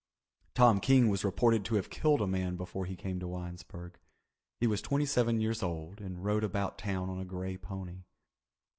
Tom King was reported to have killed a man before he came to Winesburg. He was twenty seven years old and rode about town on a grey pony.